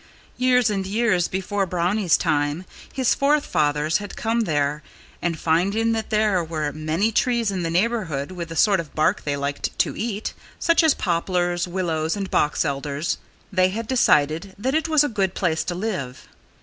Years and years before Brownie's time his forefathers had come there, and finding that there were many trees in the neighborhood with the sort of bark they liked to eat such as poplars, willows and box elders they had decided that it was a good place to live.